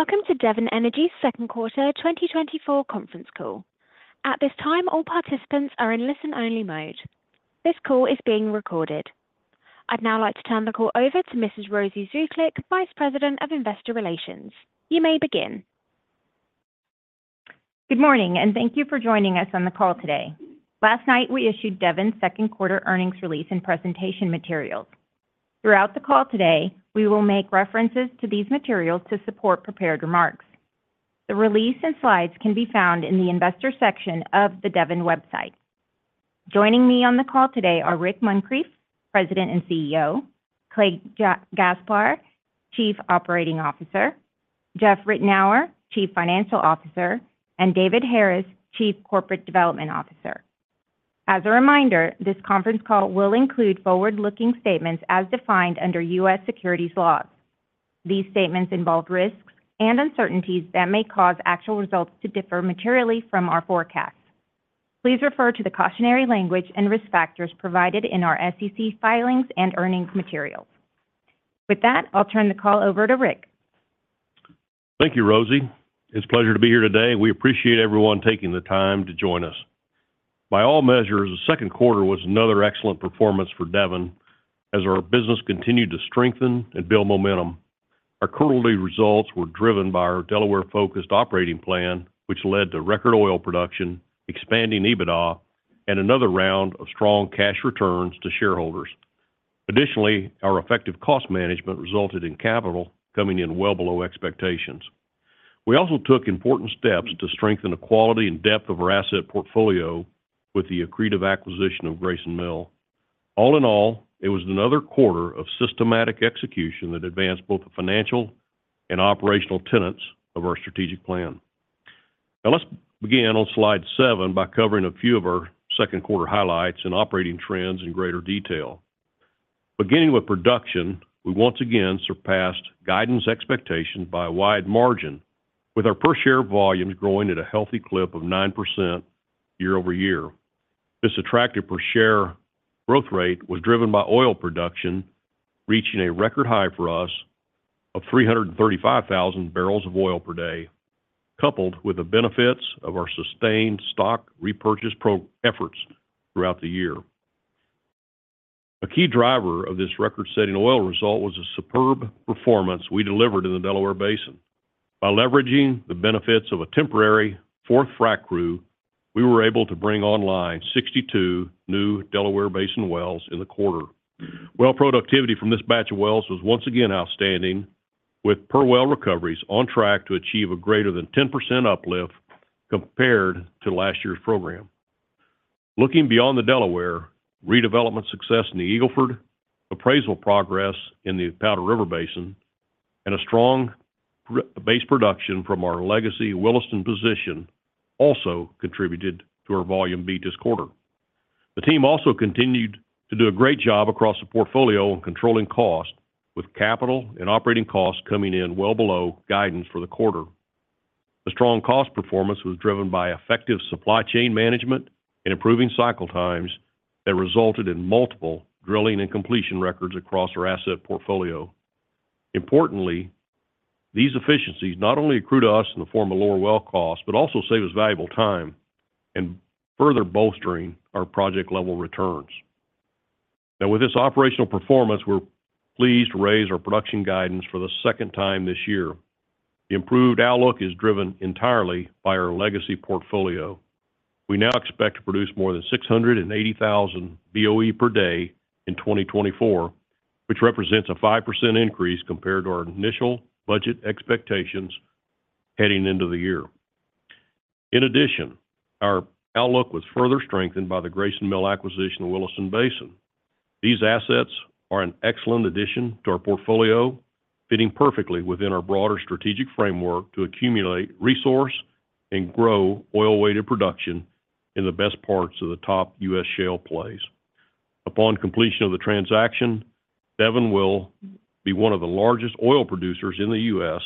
Welcome to Devon Energy's Second Quarter 2024 Conference Call. At this time, all participants are in listen-only mode. This call is being recorded. I'd now like to turn the call over to Mrs. Rosy Zuklic, Vice President of Investor Relations. You may begin. Good morning, and thank you for joining us on the call today. Last night, we issued Devon's second quarter earnings release and presentation materials. Throughout the call today, we will make references to these materials to support prepared remarks. The release and slides can be found in the investor section of the Devon website. Joining me on the call today are Rick Muncrief, President and CEO, Clay Gaspar, Chief Operating Officer, Jeff Ritenour, Chief Financial Officer, and David Harris, Chief Corporate Development Officer. As a reminder, this conference call will include forward-looking statements as defined under U.S. securities laws. These statements involve risks and uncertainties that may cause actual results to differ materially from our forecasts. Please refer to the cautionary language and risk factors provided in our SEC filings and earnings materials. With that, I'll turn the call over to Rick. Thank you, Rosy. It's a pleasure to be here today. We appreciate everyone taking the time to join us. By all measures, the second quarter was another excellent performance for Devon as our business continued to strengthen and build momentum. Our quarterly results were driven by our Delaware-focused operating plan, which led to record oil production, expanding EBITDA, and another round of strong cash returns to shareholders. Additionally, our effective cost management resulted in capital coming in well below expectations. We also took important steps to strengthen the quality and depth of our asset portfolio with the accretive acquisition of Grayson Mill. All in all, it was another quarter of systematic execution that advanced both the financial and operational tenets of our strategic plan. Now, let's begin on slide seven by covering a few of our second quarter highlights and operating trends in greater detail. Beginning with production, we once again surpassed guidance expectations by a wide margin, with our per-share volumes growing at a healthy clip of 9% year-over-year. This attractive per-share growth rate was driven by oil production, reaching a record high for us of 335,000 bbl of oil per day, coupled with the benefits of our sustained stock repurchase program efforts throughout the year. A key driver of this record-setting oil result was a superb performance we delivered in the Delaware Basin. By leveraging the benefits of a temporary fourth frac crew, we were able to bring online 62 new Delaware Basin wells in the quarter. Well productivity from this batch of wells was once again outstanding, with per-well recoveries on track to achieve a greater than 10% uplift compared to last year's program. Looking beyond the Delaware, redevelopment success in the Eagle Ford, appraisal progress in the Powder River Basin, and a strong base production from our legacy Williston position also contributed to our volume beat this quarter. The team also continued to do a great job across the portfolio on controlling costs, with capital and operating costs coming in well below guidance for the quarter. The strong cost performance was driven by effective supply chain management and improving cycle times that resulted in multiple drilling and completion records across our asset portfolio. Importantly, these efficiencies not only accrue to us in the form of lower well costs, but also saves us valuable time and further bolstering our project-level returns. Now, with this operational performance, we're pleased to raise our production guidance for the second time this year. The improved outlook is driven entirely by our legacy portfolio. We now expect to produce more than 680,000 Boe per day in 2024, which represents a 5% increase compared to our initial budget expectations heading into the year. In addition, our outlook was further strengthened by the Grayson Mill acquisition of Williston Basin. These assets are an excellent addition to our portfolio, fitting perfectly within our broader strategic framework to accumulate, resource, and grow oil-weighted production in the best parts of the top U.S. shale plays. Upon completion of the transaction, Devon will be one of the largest oil producers in the U.S.,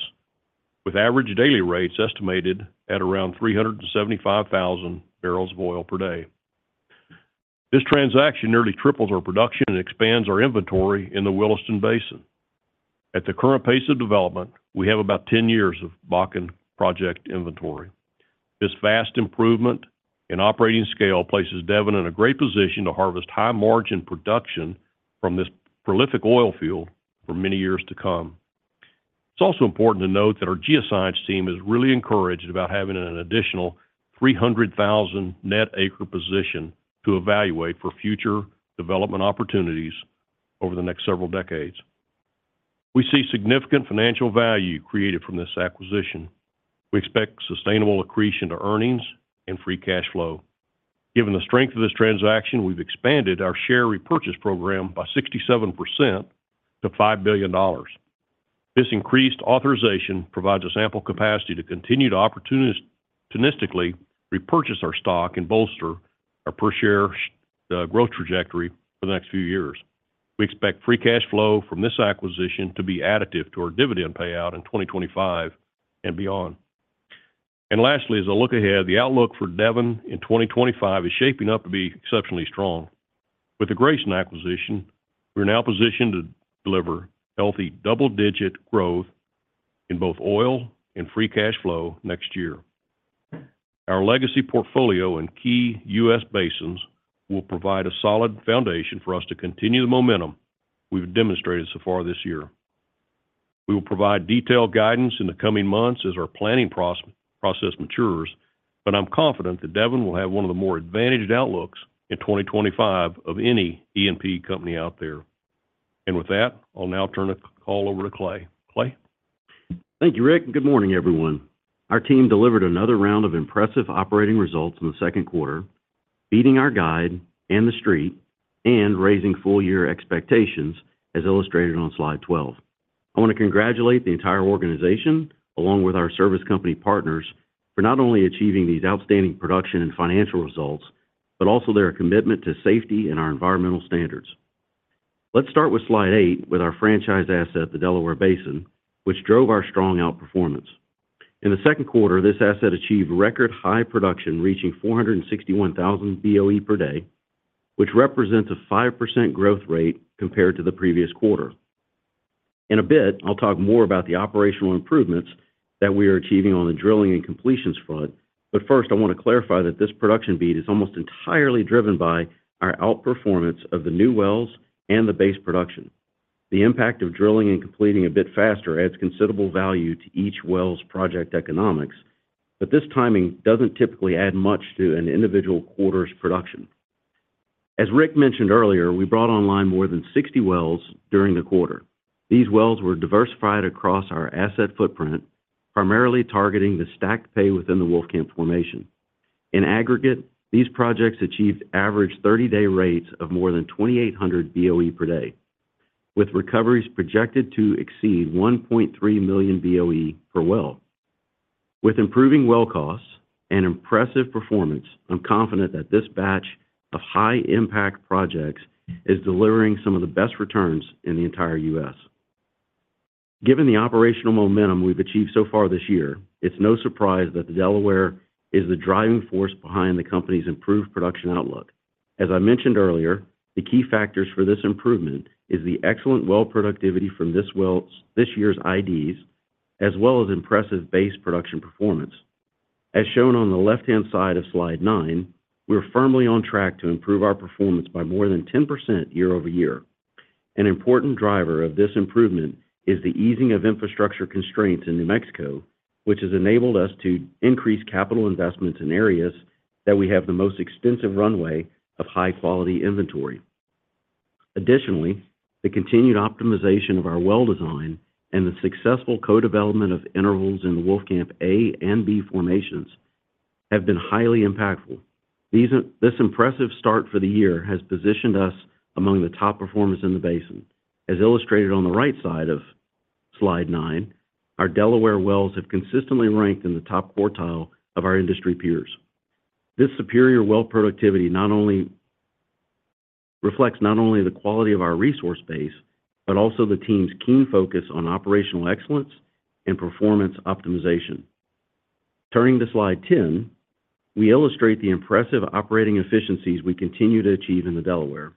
with average daily rates estimated at around 375,000 bbl of oil per day. This transaction nearly triples our production and expands our inventory in the Williston Basin. At the current pace of development, we have about 10 years of Bakken project inventory. This vast improvement in operating scale places Devon in a great position to harvest high-margin production from this prolific oil field for many years to come. It's also important to note that our geoscience team is really encouraged about having an additional 300,000 net acre position to evaluate for future development opportunities over the next several decades. We see significant financial value created from this acquisition. We expect sustainable accretion to earnings and free cash flow. Given the strength of this transaction, we've expanded our share repurchase program by 67% to $5 billion. This increased authorization provides us ample capacity to continue to opportunistically repurchase our stock and bolster our per-share growth trajectory for the next few years. We expect free cash flow from this acquisition to be additive to our dividend payout in 2025 and beyond. Lastly, as I look ahead, the outlook for Devon in 2025 is shaping up to be exceptionally strong. With the Grayson acquisition, we're now positioned to deliver healthy double-digit growth in both oil and free cash flow next year. Our legacy portfolio in key U.S. basins will provide a solid foundation for us to continue the momentum we've demonstrated so far this year. We will provide detailed guidance in the coming months as our planning process matures, but I'm confident that Devon will have one of the more advantaged outlooks in 2025 of any E&P company out there. And with that, I'll now turn the call over to Clay. Clay? Thank you, Rick, and good morning, everyone. Our team delivered another round of impressive operating results in the second quarter, beating our guide and the Street, and raising full-year expectations, as illustrated on slide 12. I want to congratulate the entire organization, along with our service company partners, for not only achieving these outstanding production and financial results, but also their commitment to safety and our environmental standards. Let's start with slide 8, with our franchise asset, the Delaware Basin, which drove our strong outperformance. In the second quarter, this asset achieved record high production, reaching 461,000 Boe per day, which represents a 5% growth rate compared to the previous quarter. In a bit, I'll talk more about the operational improvements that we are achieving on the drilling and completions front. First, I want to clarify that this production beat is almost entirely driven by our outperformance of the new wells and the base production. The impact of drilling and completing a bit faster adds considerable value to each well's project economics, but this timing doesn't typically add much to an individual quarter's production. As Rick mentioned earlier, we brought online more than 60 wells during the quarter. These wells were diversified across our asset footprint, primarily targeting the stacked pay within the Wolfcamp formation. In aggregate, these projects achieved average thirty-day rates of more than 2,800 Boe per day, with recoveries projected to exceed 1.3 million Boe per well. With improving well costs and impressive performance, I'm confident that this batch of high-impact projects is delivering some of the best returns in the entire U.S. Given the operational momentum we've achieved so far this year, it's no surprise that the Delaware is the driving force behind the company's improved production outlook. As I mentioned earlier, the key factors for this improvement is the excellent well productivity from this well, this year's IPs, as well as impressive base production performance. As shown on the left-hand side of Slide 9, we're firmly on track to improve our performance by more than 10% year-over-year. An important driver of this improvement is the easing of infrastructure constraints in New Mexico, which has enabled us to increase capital investments in areas that we have the most extensive runway of high-quality inventory. Additionally, the continued optimization of our well design and the successful co-development of intervals in the Wolfcamp A and B formations have been highly impactful. These... This impressive start for the year has positioned us among the top performers in the basin. As illustrated on the right side of Slide 9, our Delaware wells have consistently ranked in the top quartile of our industry peers. This superior well productivity not only reflects not only the quality of our resource base, but also the team's keen focus on operational excellence and performance optimization. Turning to Slide 10, we illustrate the impressive operating efficiencies we continue to achieve in the Delaware.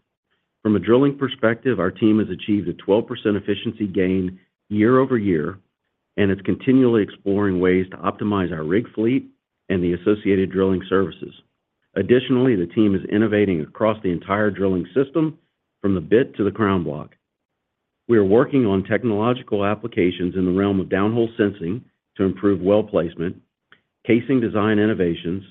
From a drilling perspective, our team has achieved a 12% efficiency gain year-over-year and is continually exploring ways to optimize our rig fleet and the associated drilling services. Additionally, the team is innovating across the entire drilling system, from the bit to the crown block. We are working on technological applications in the realm of downhole sensing to improve well placement, casing design innovations,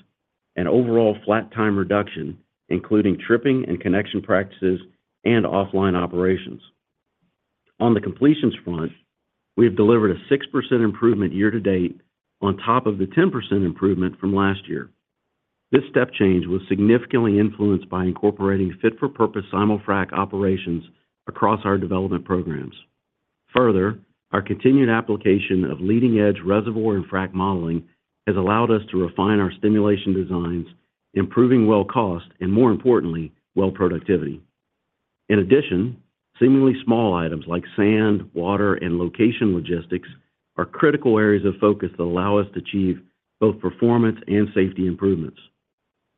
and overall flat time reduction, including tripping and connection practices and offline operations. On the completions front, we have delivered a 6% improvement year to date on top of the 10% improvement from last year. This step change was significantly influenced by incorporating fit-for-purpose simul-frac operations across our development programs. Further, our continued application of leading-edge reservoir and frac modeling has allowed us to refine our stimulation designs, improving well cost, and more importantly, well productivity. In addition, seemingly small items like sand, water, and location logistics are critical areas of focus that allow us to achieve both performance and safety improvements.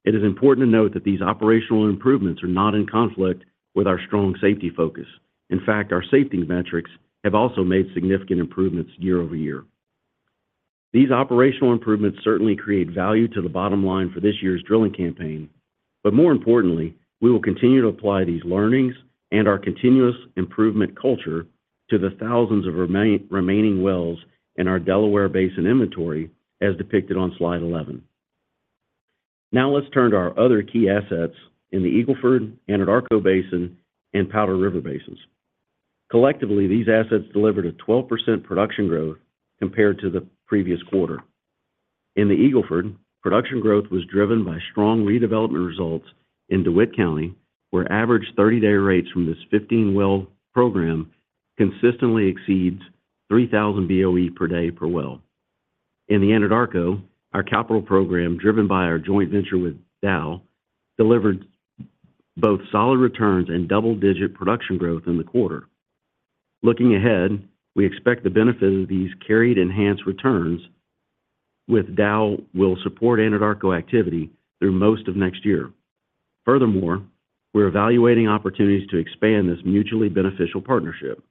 It is important to note that these operational improvements are not in conflict with our strong safety focus. In fact, our safety metrics have also made significant improvements year over year. These operational improvements certainly create value to the bottom line for this year's drilling campaign, but more importantly, we will continue to apply these learnings and our continuous improvement culture to the thousands of remaining wells in our Delaware Basin inventory, as depicted on Slide 11. Now, let's turn to our other key assets in the Eagle Ford, Anadarko Basin, and Powder River Basin. Collectively, these assets delivered a 12% production growth compared to the previous quarter. In the Eagle Ford, production growth was driven by strong redevelopment results in DeWitt County, where average 30-day rates from this 15-well program consistently exceeds 3,000 Boe per day per well. In the Anadarko, our capital program, driven by our joint venture with Dow, delivered both solid returns and double-digit production growth in the quarter. Looking ahead, we expect the benefit of these carried enhanced returns with Dow will support Anadarko activity through most of next year. Furthermore, we're evaluating opportunities to expand this mutually beneficial partnership.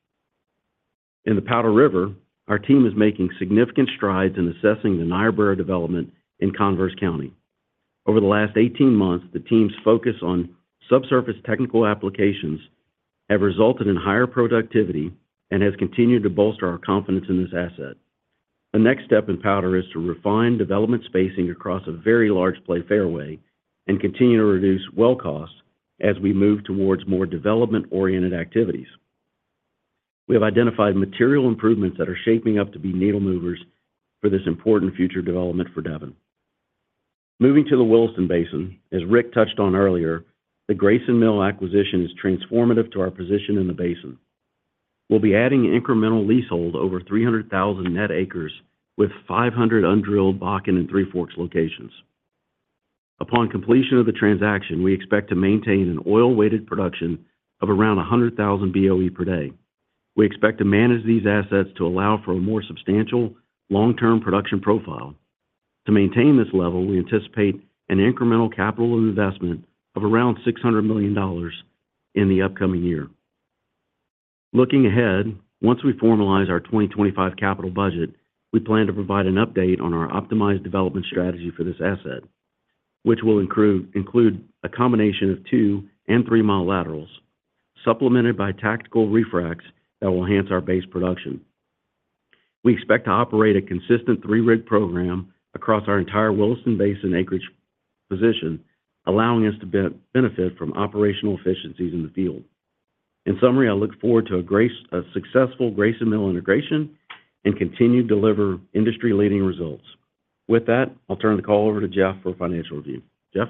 In the Powder River, our team is making significant strides in assessing the Niobrara development in Converse County. Over the last 18 months, the team's focus on subsurface technical applications have resulted in higher productivity and has continued to bolster our confidence in this asset. The next step in Powder is to refine development spacing across a very large play fairway and continue to reduce well costs as we move towards more development-oriented activities. We have identified material improvements that are shaping up to be needle movers for this important future development for Devon. Moving to the Williston Basin, as Rick touched on earlier, the Grayson Mill acquisition is transformative to our position in the basin. We'll be adding incremental leasehold over 300,000 net acres with 500 undrilled Bakken and Three Forks locations. Upon completion of the transaction, we expect to maintain an oil-weighted production of around 100,000 Boe per day. We expect to manage these assets to allow for a more substantial long-term production profile. To maintain this level, we anticipate an incremental capital investment of around $600 million in the upcoming year. Looking ahead, once we formalize our 2025 capital budget, we plan to provide an update on our optimized development strategy for this asset, which will include a combination of 2-mile and 3-mile laterals, supplemented by tactical refracs that will enhance our base production. We expect to operate a consistent 3-rig program across our entire Williston Basin acreage position, allowing us to benefit from operational efficiencies in the field. In summary, I look forward to a successful Grayson Mill integration and continue to deliver industry-leading results. With that, I'll turn the call over to Jeff for a financial review. Jeff?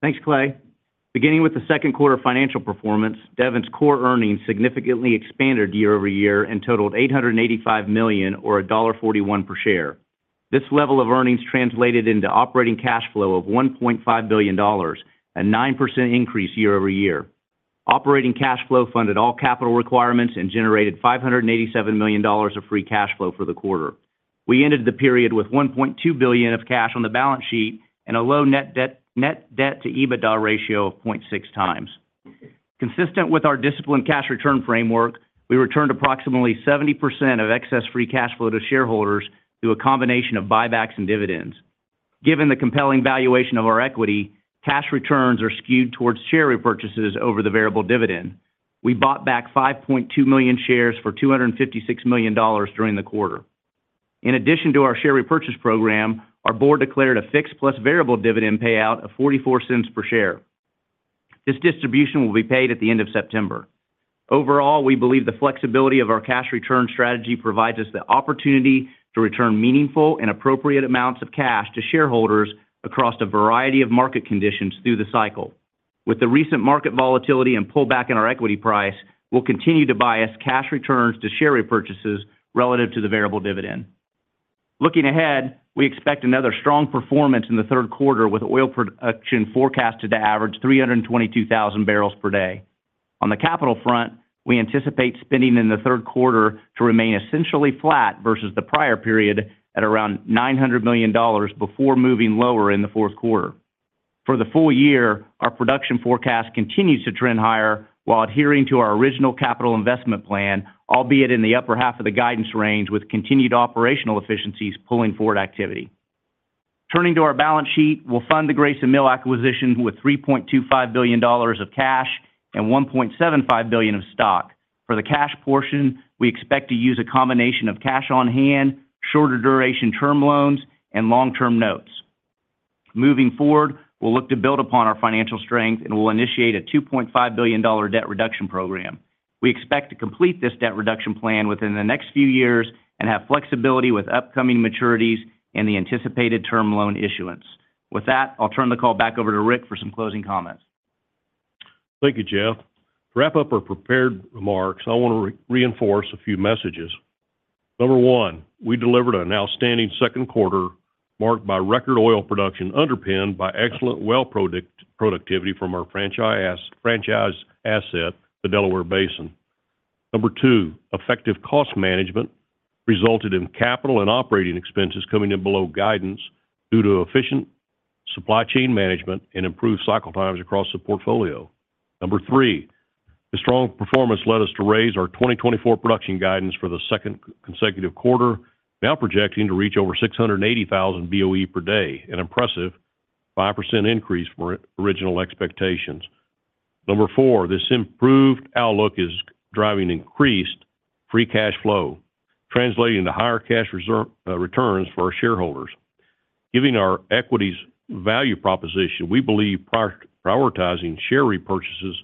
Thanks, Clay. Beginning with the second quarter financial performance, Devon's core earnings significantly expanded year-over-year and totaled $885 million, or $1.41 per share. This level of earnings translated into operating cash flow of $1.5 billion, a 9% increase year-over-year. Operating cash flow funded all capital requirements and generated $587 million of free cash flow for the quarter. We ended the period with $1.2 billion of cash on the balance sheet and a low net debt-to-EBITDA ratio of 0.6x. Consistent with our disciplined cash return framework, we returned approximately 70% of excess free cash flow to shareholders through a combination of buybacks and dividends. Given the compelling valuation of our equity, cash returns are skewed towards share repurchases over the variable dividend. We bought back 5.2 million shares for $256 million during the quarter. In addition to our share repurchase program, our board declared a fixed plus variable dividend payout of $0.44 per share. This distribution will be paid at the end of September. Overall, we believe the flexibility of our cash return strategy provides us the opportunity to return meaningful and appropriate amounts of cash to shareholders across a variety of market conditions through the cycle. With the recent market volatility and pullback in our equity price, we'll continue to bias cash returns to share repurchases relative to the variable dividend. Looking ahead, we expect another strong performance in the third quarter, with oil production forecasted to average 322,000 bbl per day. On the capital front, we anticipate spending in the third quarter to remain essentially flat versus the prior period, at around $900 million before moving lower in the fourth quarter. For the full year, our production forecast continues to trend higher while adhering to our original capital investment plan, albeit in the upper half of the guidance range, with continued operational efficiencies pulling forward activity. Turning to our balance sheet, we'll fund the Grayson Mill acquisition with $3.25 billion of cash and $1.75 billion of stock. For the cash portion, we expect to use a combination of cash on hand, shorter duration term loans, and long-term notes. Moving forward, we'll look to build upon our financial strength, and we'll initiate a $2.5 billion debt reduction program. We expect to complete this debt reduction plan within the next few years and have flexibility with upcoming maturities and the anticipated term loan issuance. With that, I'll turn the call back over to Rick for some closing comments. Thank you, Jeff. To wrap up our prepared remarks, I want to reinforce a few messages. Number one, we delivered an outstanding second quarter, marked by record oil production, underpinned by excellent well productivity from our franchise asset, the Delaware Basin. Number two, effective cost management resulted in capital and operating expenses coming in below guidance due to efficient supply chain management and improved cycle times across the portfolio. Number three, the strong performance led us to raise our 2024 production guidance for the second consecutive quarter, now projecting to reach over 680,000 Boe per day, an impressive 5% increase from our original expectations. Number four, this improved outlook is driving increased free cash flow, translating to higher cash returns for our shareholders. Given our equity's value proposition, we believe prioritizing share repurchases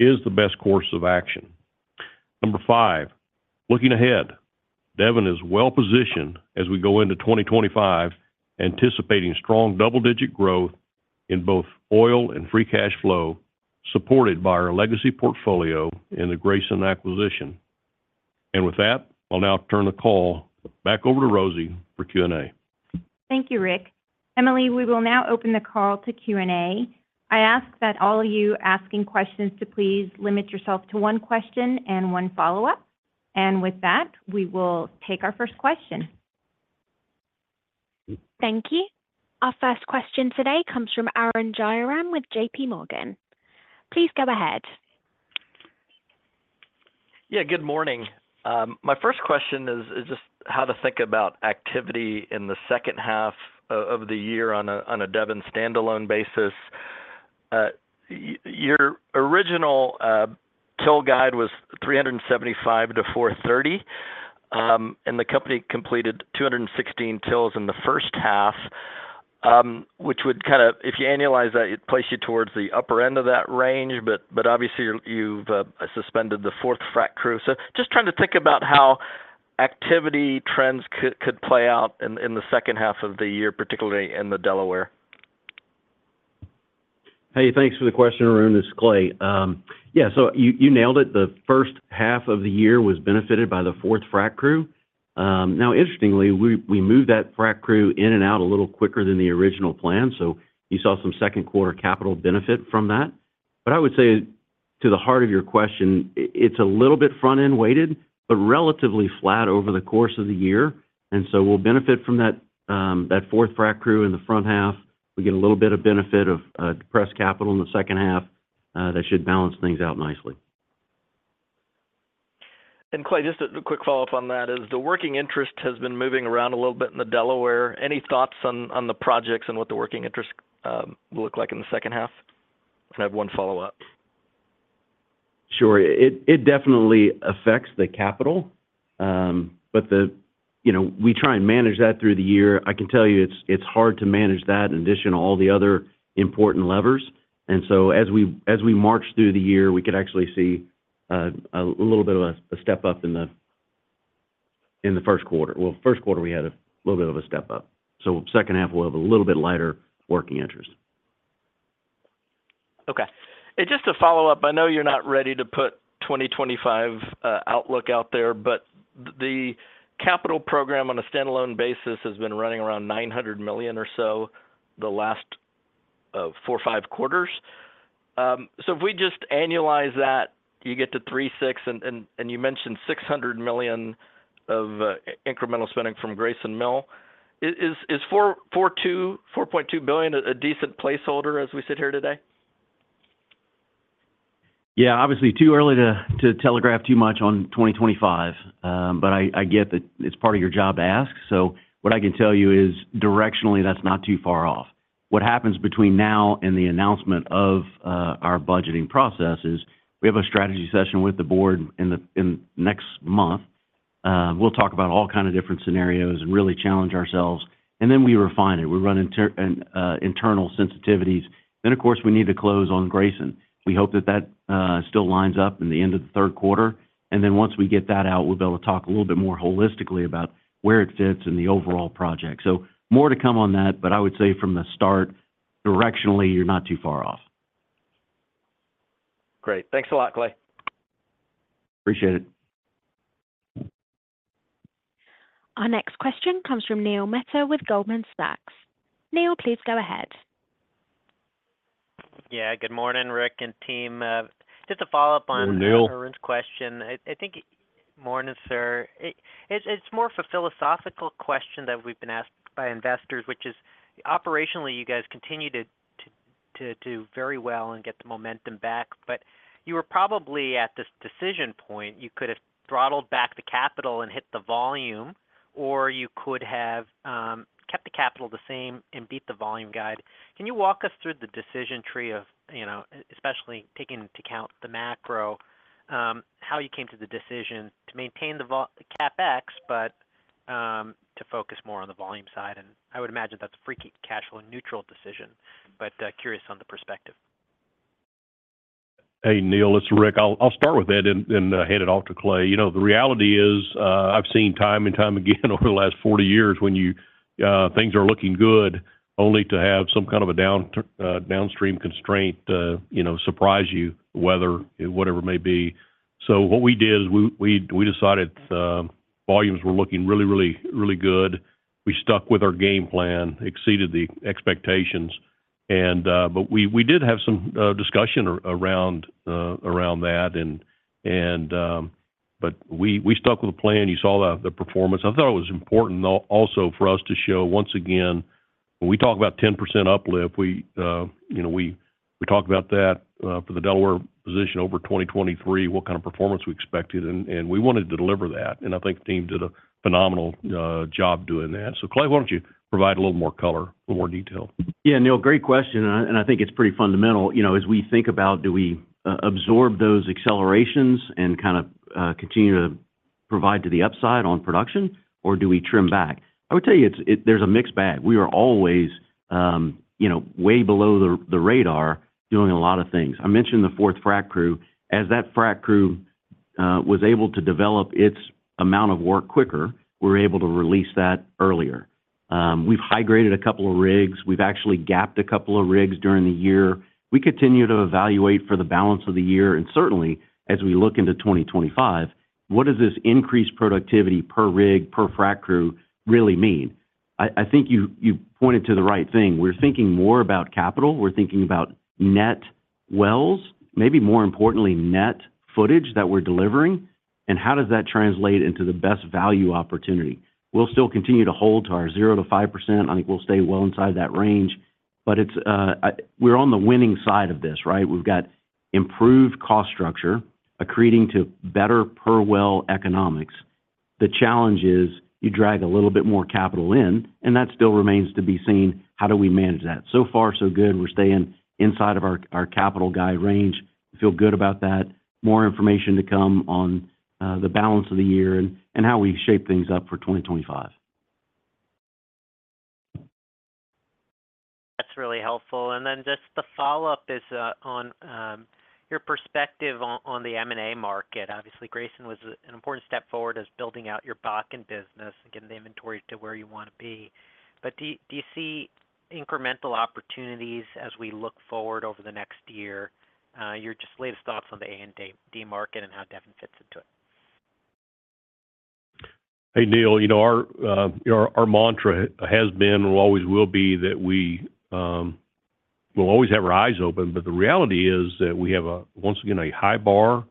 is the best course of action. Number five, looking ahead, Devon is well-positioned as we go into 2025, anticipating strong double-digit growth in both oil and free cash flow, supported by our legacy portfolio and the Grayson acquisition. And with that, I'll now turn the call back over to Rosy for Q&A. Thank you, Rick. Emily, we will now open the call to Q&A. I ask that all of you asking questions to please limit yourself to one question and one follow-up. With that, we will take our first question. Thank you. Our first question today comes from Arun Jayaram with JP Morgan. Please go ahead. Yeah, good morning. My first question is just how to think about activity in the second half of the year on a Devon standalone basis. Your original well guide was 375 to 430, and the company completed 216 wells in the first half, which would kind of, if you annualize that, it places you towards the upper end of that range, but obviously, you've suspended the fourth frac crew. So just trying to think about how activity trends could play out in the second half of the year, particularly in the Delaware. Hey, thanks for the question, Arun. This is Clay. Yeah, so you nailed it. The first half of the year was benefited by the fourth frac crew. Now, interestingly, we moved that frac crew in and out a little quicker than the original plan, so you saw some second quarter capital benefit from that. But I would say to the heart of your question, it's a little bit front-end weighted, but relatively flat over the course of the year. And so we'll benefit from that fourth frac crew in the front half. We get a little bit of benefit of depressed capital in the second half that should balance things out nicely. Clay, just a quick follow-up on that, is the working interest has been moving around a little bit in the Delaware. Any thoughts on the projects and what the working interest will look like in the second half? I have one follow-up. Sure. It definitely affects the capital, but—you know, we try and manage that through the year. I can tell you, it's hard to manage that in addition to all the other important levers. And so as we march through the year, we could actually see a little bit of a step up in the first quarter. Well, first quarter, we had a little bit of a step up, so second half, we'll have a little bit lighter working interest. Okay. And just to follow up, I know you're not ready to put 2025 outlook out there, but the capital program on a standalone basis has been running around $900 million or so the last 4 or 5 quarters. So if we just annualize that, you get to 3.6, and you mentioned $600 million of incremental spending from Grayson Mill. Is 4.2 billion a decent placeholder as we sit here today? Yeah, obviously, too early to telegraph too much on 2025, but I get that it's part of your job to ask. So what I can tell you is, directionally, that's not too far off. What happens between now and the announcement of our budgeting process is, we have a strategy session with the board in next month. We'll talk about all kind of different scenarios and really challenge ourselves, and then we refine it. We run internal sensitivities. Then, of course, we need to close on Grayson. We hope that still lines up in the end of the third quarter, and then once we get that out, we'll be able to talk a little bit more holistically about where it fits in the overall project. More to come on that, but I would say from the start, directionally, you're not too far off. Great. Thanks a lot, Clay. Appreciate it. Our next question comes from Neil Mehta with Goldman Sachs. Neil, please go ahead. Yeah, good morning, Rick and team. Just to follow up on- Good morning, Neil. Arun's question. Morning, sir. It's more of a philosophical question that we've been asked by investors, which is, operationally, you guys continue to do very well and get the momentum back, but you are probably at this decision point. You could have throttled back the capital and hit the volume, or you could have kept the capital the same and beat the volume guide. Can you walk us through the decision tree of, you know, especially taking into account the macro, how you came to the decision to maintain the CapEx, but to focus more on the volume side? And I would imagine that's a free cash flow neutral decision, but curious on the perspective. Hey, Neil, it's Rick. I'll start with that and hand it off to Clay. You know, the reality is, I've seen time and time again over the last 40 years, when things are looking good, only to have some kind of a down downstream constraint, you know, surprise you, whether whatever it may be. So what we did is we decided volumes were looking really, really, really good. We stuck with our game plan, exceeded the expectations, and. But we did have some discussion around that and, but we stuck with the plan. You saw the performance. I thought it was important, though, also for us to show, once again, when we talk about 10% uplift, we, you know, we, we talked about that, for the Delaware position over 2023, what kind of performance we expected, and, and we wanted to deliver that, and I think the team did a phenomenal job doing that. So, Clay, why don't you provide a little more color or more detail? Yeah, Neil, great question, and I think it's pretty fundamental. You know, as we think about, do we absorb those accelerations and kind of continue to provide to the upside on production, or do we trim back? I would tell you, it's, there's a mixed bag. We are always, you know, way below the radar, doing a lot of things. I mentioned the fourth frac crew. As that frac crew was able to develop its amount of work quicker, we were able to release that earlier. We've high-graded a couple of rigs. We've actually gapped a couple of rigs during the year. We continue to evaluate for the balance of the year, and certainly, as we look into 2025, what does this increased productivity per rig, per frac crew really mean? I think you pointed to the right thing. We're thinking more about capital. We're thinking about net wells, maybe more importantly, net footage that we're delivering, and how does that translate into the best value opportunity? We'll still continue to hold to our 0%-5%. I think we'll stay well inside that range, but it's, we're on the winning side of this, right? We've got improved cost structure, accreting to better per well economics. The challenge is, you drag a little bit more capital in, and that still remains to be seen, how do we manage that? So far, so good. We're staying inside of our, our capital guide range. Feel good about that. More information to come on, the balance of the year and, and how we shape things up for 2025. That's really helpful. And then just the follow-up is on your perspective on the M&A market. Obviously, Grayson was an important step forward as building out your Bakken business and getting the inventory to where you wanna be. But do you see incremental opportunities as we look forward over the next year? Your just latest thoughts on the A&D market and how Devon fits into it. Hey, Neil, you know, our mantra has been, and always will be, that we, we'll always have our eyes open. But the reality is that we have a, once again, a high bar,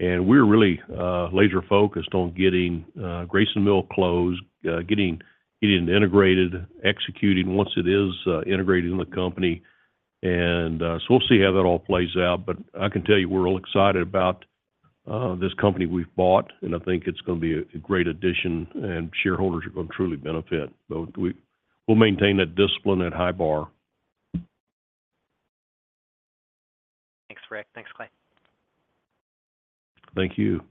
and we're really laser-focused on getting Grayson Mill closed, getting it integrated, executing once it is integrated in the company. And so we'll see how that all plays out. But I can tell you, we're all excited about this company we've bought, and I think it's gonna be a great addition, and shareholders are gonna truly benefit. But we'll maintain that discipline and high bar. Thanks, Rick. Thanks, Clay. Thank you.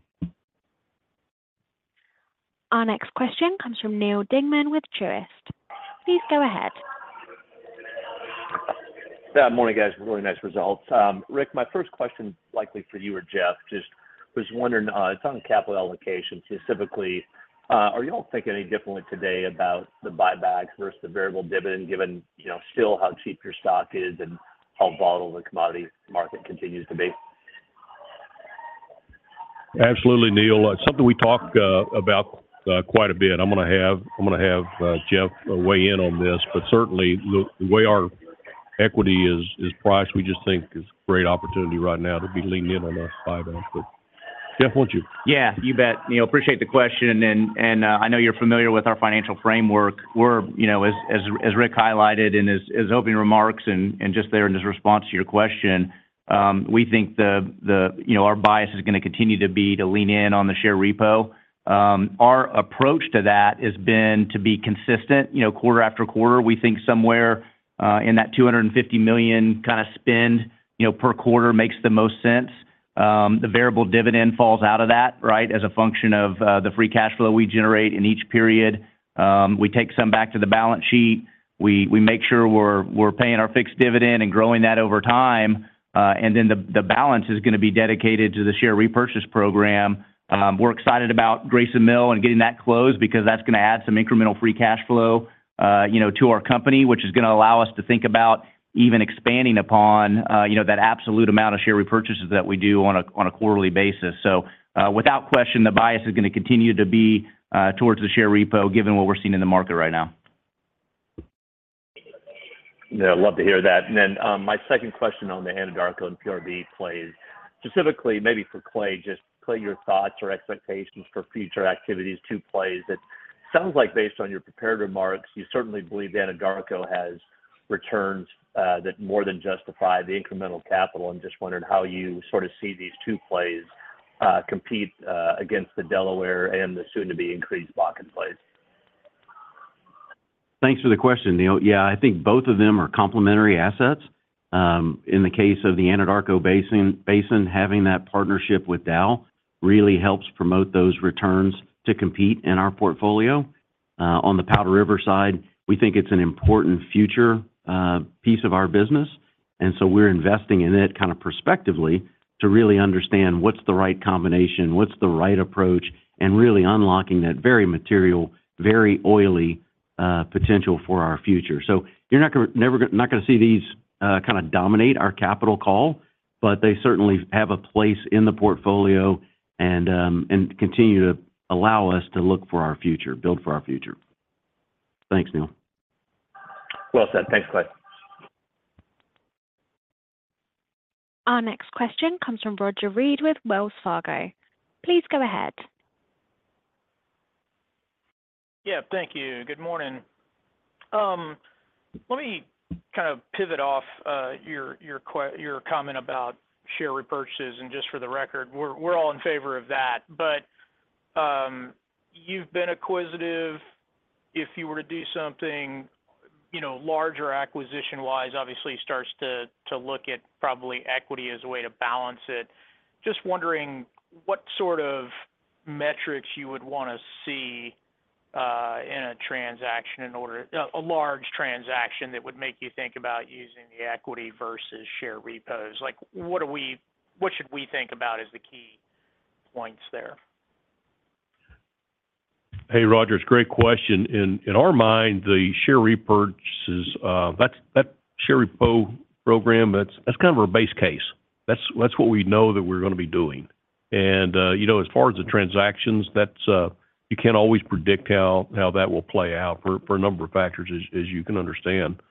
Our next question comes from Neal Dingmann with Truist. Please go ahead. Good morning, guys. Really nice results. Rick, my first question, likely for you or Jeff, just was wondering, it's on capital allocation, specifically, are you all thinking any differently today about the buybacks versus the variable dividend, given, you know, still how cheap your stock is and how volatile the commodity market continues to be? Absolutely, Neil. It's something we talk about quite a bit. I'm gonna have Jeff weigh in on this, but certainly, the way our equity is priced, we just think is a great opportunity right now to be leaning in on those buybacks. But Jeff, why don't you? Yeah, you bet. Neil, appreciate the question, and I know you're familiar with our financial framework. We're, you know, as Rick highlighted in his opening remarks and just there in his response to your question, we think the, you know, our bias is gonna continue to be to lean in on the share repo. Our approach to that has been to be consistent, you know, quarter after quarter. We think somewhere in that $250 million kind of spend, you know, per quarter makes the most sense. The variable dividend falls out of that, right? As a function of the free cash flow we generate in each period. We take some back to the balance sheet. We make sure we're paying our fixed dividend and growing that over time. And then the balance is gonna be dedicated to the share repurchase program. We're excited about Grayson Mill and getting that closed because that's gonna add some incremental free cash flow, you know, to our company, which is gonna allow us to think about even expanding upon, you know, that absolute amount of share repurchases that we do on a, on a quarterly basis. So, without question, the bias is gonna continue to be towards the share repo, given what we're seeing in the market right now. Yeah, I'd love to hear that. And then, my second question on the Anadarko and PRB plays, specifically maybe for Clay, just Clay, your thoughts or expectations for future activities to plays. It sounds like based on your prepared remarks, you certainly believe Anadarko has returns, that more than justify the incremental capital. I'm just wondering how you sort of see these two plays, compete, against the Delaware and the soon-to-be-increased Bakken plays. Thanks for the question, Neil. Yeah, I think both of them are complementary assets. In the case of the Anadarko Basin, having that partnership with Dow really helps promote those returns to compete in our portfolio. On the Powder River side, we think it's an important future piece of our business, and so we're investing in it kind of perspectively to really understand what's the right combination, what's the right approach, and really unlocking that very material, very oily potential for our future. So you're not gonna see these kinda dominate our capital call, but they certainly have a place in the portfolio and continue to allow us to look for our future, build for our future. Thanks, Neil. Well said. Thanks, Clay. Our next question comes from Roger Read with Wells Fargo. Please go ahead. Yeah, thank you. Good morning. Let me kind of pivot off your comment about share repurchases. Just for the record, we're all in favor of that. You've been acquisitive. If you were to do something, you know, larger acquisition-wise, obviously starts to look at probably equity as a way to balance it. Just wondering what sort of metrics you would want to see in a transaction in order a large transaction that would make you think about using the equity versus share repos? Like, what should we think about as the key points there? Hey, Roger, it's a great question. In our mind, the share repurchases, that share repo program, that's kind of our base case. That's what we know that we're gonna be doing. And, you know, as far as the transactions, that's, you can't always predict how that will play out for a number of factors, as you can understand.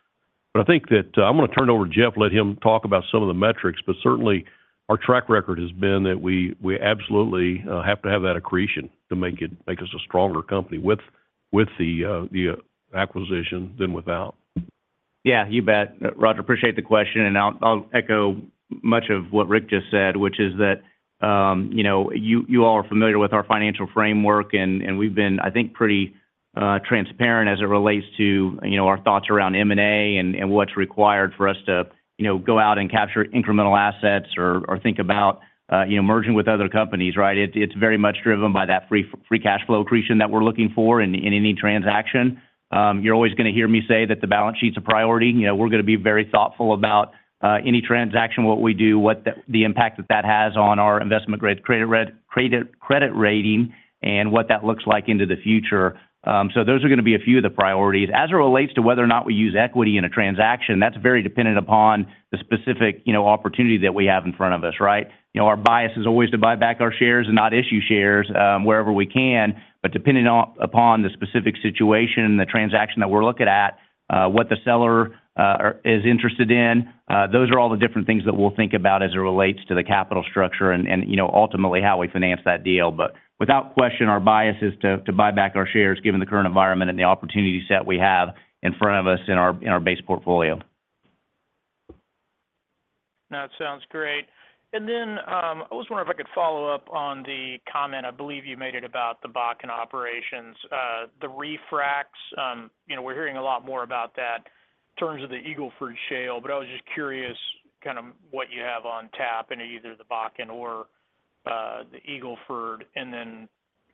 But I think that, I'm gonna turn it over to Jeff, let him talk about some of the metrics, but certainly, our track record has been that we absolutely have to have that accretion to make it - make us a stronger company with the acquisition than without. Yeah, you bet. Roger, appreciate the question, and I'll echo much of what Rick just said, which is that, you know, you all are familiar with our financial framework, and we've been, I think, pretty transparent as it relates to, you know, our thoughts around M&A and what's required for us to, you know, go out and capture incremental assets or think about, you know, merging with other companies, right? It's very much driven by that free cash flow accretion that we're looking for in any transaction. You're always gonna hear me say that the balance sheet's a priority. You know, we're gonna be very thoughtful about any transaction, what we do, what the impact that that has on our investment-grade credit rating, and what that looks like into the future. So those are gonna be a few of the priorities. As it relates to whether or not we use equity in a transaction, that's very dependent upon the specific, you know, opportunity that we have in front of us, right? You know, our bias is always to buy back our shares and not issue shares, wherever we can, but depending upon the specific situation and the transaction that we're looking at, what the seller is interested in, those are all the different things that we'll think about as it relates to the capital structure and, you know, ultimately how we finance that deal. But without question, our bias is to buy back our shares, given the current environment and the opportunity set we have in front of us in our base portfolio. No, it sounds great. And then, I was wondering if I could follow up on the comment, I believe you made it about the Bakken operations. The refracs, you know, we're hearing a lot more about that in terms of the Eagle Ford Shale, but I was just curious kind of what you have on tap in either the Bakken or, the Eagle Ford. And then,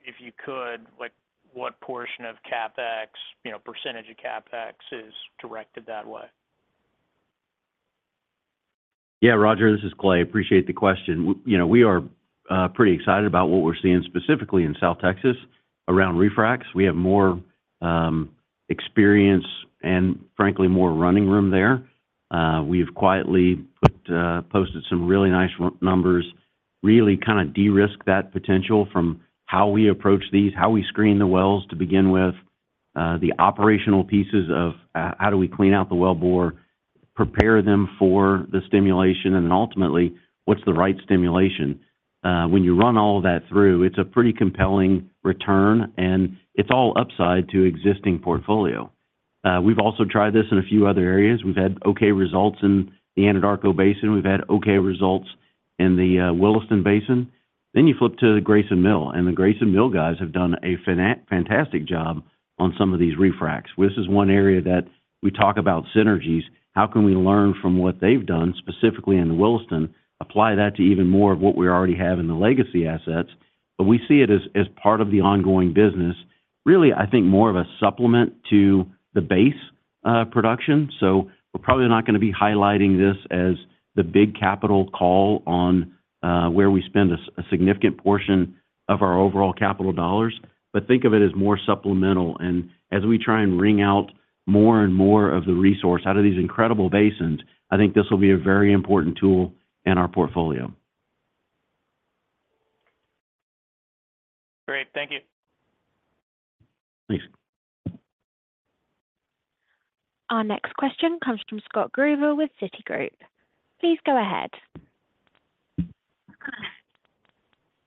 if you could, like, what portion of CapEx, you know, percentage of CapEx is directed that way? Yeah, Roger, this is Clay. Appreciate the question. You know, we are pretty excited about what we're seeing specifically in South Texas around refracs. We have more experience and frankly, more running room there. We've quietly posted some really nice numbers, really kind of de-risk that potential from how we approach these, how we screen the wells to begin with, the operational pieces of how do we clean out the wellbore, prepare them for the stimulation, and then ultimately, what's the right stimulation? When you run all of that through, it's a pretty compelling return, and it's all upside to existing portfolio. We've also tried this in a few other areas. We've had okay results in the Anadarko Basin. We've had okay results in the Williston Basin. Then you flip to the Grayson Mill, and the Grayson Mill guys have done a fantastic job on some of these refracs. This is one area that we talk about synergies, how can we learn from what they've done, specifically in Williston, apply that to even more of what we already have in the legacy assets? But we see it as part of the ongoing business. Really, I think more of a supplement to the base production. So we're probably not gonna be highlighting this as the big capital call on where we spend a significant portion of our overall capital dollars, but think of it as more supplemental. And as we try and wring out more and more of the resource out of these incredible basins, I think this will be a very important tool in our portfolio. Great. Thank you. Thanks. Our next question comes from Scott Gruber with Citigroup. Please go ahead.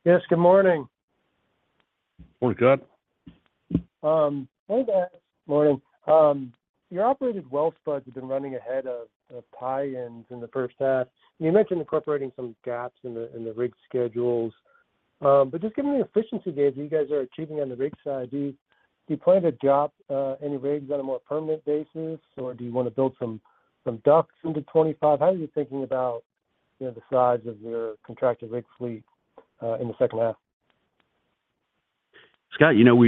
Yes, good morning. Morning, Scott. Hey there. Morning. Your operated well spuds have been running ahead of tie-ins in the first half. You mentioned incorporating some gaps in the rig schedules. But just given the efficiency gains that you guys are achieving on the rig side, do you plan to drop any rigs on a more permanent basis, or do you want to build some DUCs into 2025? How are you thinking about, you know, the size of your contracted rig fleet in the second half? Scott, you know,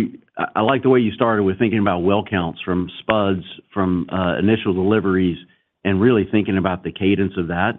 I like the way you started with thinking about well counts from spuds, from initial deliveries, and really thinking about the cadence of that.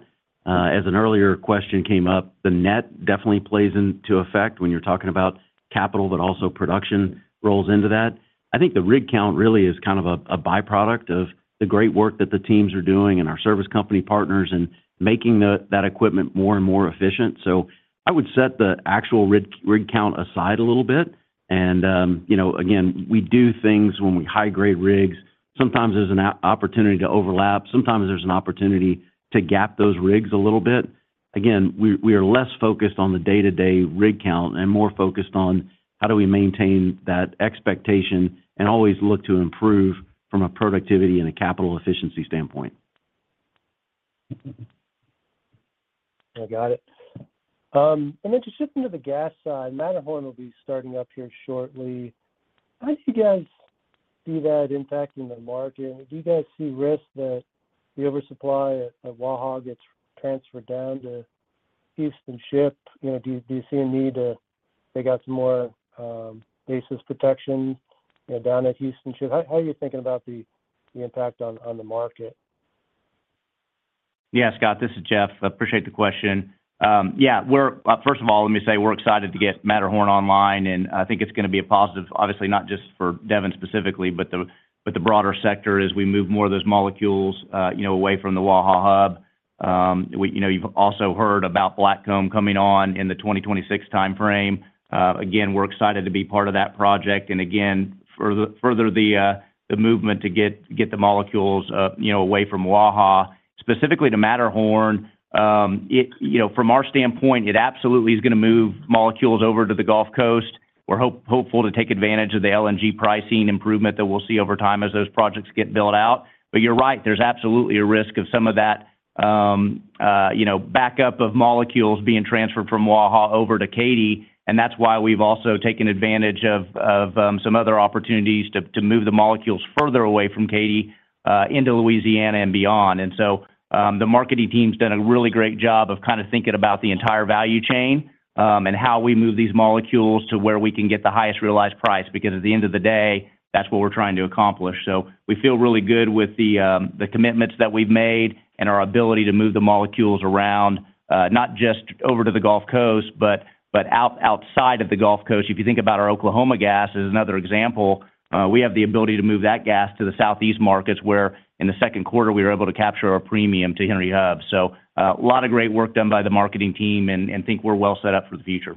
As an earlier question came up, the net definitely plays into effect when you're talking about capital, but also production rolls into that. I think the rig count really is kind of a byproduct of the great work that the teams are doing and our service company partners, and making that equipment more and more efficient. So I would set the actual rig count aside a little bit. And you know, again, we do things when we high-grade rigs. Sometimes there's an opportunity to overlap, sometimes there's an opportunity to gap those rigs a little bit. Again, we are less focused on the day-to-day rig count and more focused on how do we maintain that expectation and always look to improve from a productivity and a capital efficiency standpoint. I got it. And then to shift into the gas side, Matterhorn will be starting up here shortly. How do you guys see that impacting the market? Do you guys see risk that the oversupply of Waha gets transferred down to Houston Ship? You know, do you see a need to figure out some more basis protection, you know, down at Houston Ship? How are you thinking about the impact on the market?... Yeah, Scott, this is Jeff. I appreciate the question. Yeah, we're first of all, let me say we're excited to get Matterhorn online, and I think it's gonna be a positive, obviously, not just for Devon specifically, but the broader sector as we move more of those molecules, you know, away from the Waha hub. We, you know, you've also heard about Blackcomb coming on in the 2026 timeframe. Again, we're excited to be part of that project, and again, further the movement to get the molecules, you know, away from Waha. Specifically to Matterhorn, from our standpoint, it absolutely is gonna move molecules over to the Gulf Coast. We're hopeful to take advantage of the LNG pricing improvement that we'll see over time as those projects get built out. But you're right, there's absolutely a risk of some of that, you know, backup of molecules being transferred from Waha over to Katy, and that's why we've also taken advantage of some other opportunities to move the molecules further away from Katy into Louisiana and beyond. And so, the marketing team's done a really great job of kind of thinking about the entire value chain, and how we move these molecules to where we can get the highest realized price. Because at the end of the day, that's what we're trying to accomplish. So we feel really good with the commitments that we've made and our ability to move the molecules around, not just over to the Gulf Coast, but outside of the Gulf Coast. If you think about our Oklahoma gas, as another example, we have the ability to move that gas to the Southeast markets, where in the second quarter, we were able to capture our premium to Henry Hub. So, a lot of great work done by the marketing team, and think we're well set up for the future.